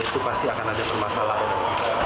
itu pasti akan ada permasalahan